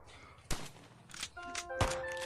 Ha habido días en los que no he sido capaz de componer.